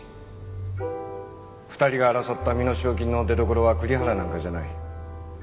２人が争った身代金の出どころは栗原なんかじゃない。